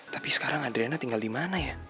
tapi sekarang adriana tinggal di mana ya